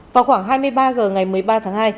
vào khoảng hai mươi ba h ngày một mươi ba tháng hai